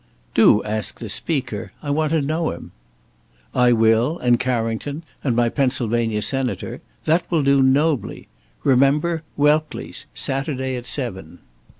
"Do ask the Speaker. I want to know him." "I will, and Carrington, and my Pennsylvania Senator. That will do nobly. Remember, Welckley's, Saturday at seven."